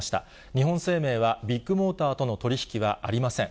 日本生命はビッグモーターとの取り引きはありません。